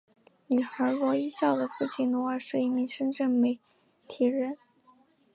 女孩罗一笑的父亲罗尔是一名深圳媒体人。